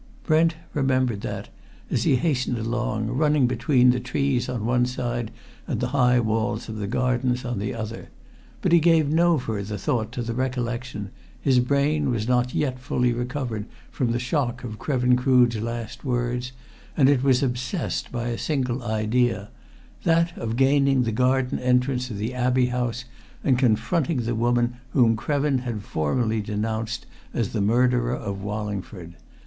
Brent remembered that as he hastened along, running between the trees on one side and the high walls of the gardens on the other. But he gave no further thought to the recollection his brain was not yet fully recovered from the shock of Krevin Crood's last words, and it was obsessed by a single idea: that of gaining the garden entrance of the Abbey House and confronting the woman whom Krevin had formally denounced as the murderer of Wallingford.